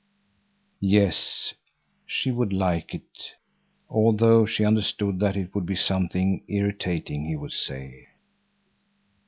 Yes, she would like it, although she understood that it would be something irritating he would say.